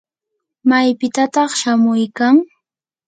¿maypitataq shamuykan?